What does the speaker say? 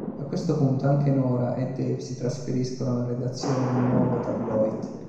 A questo punto, anche Nora e Dave si trasferiscono alla redazione del nuovo tabloid.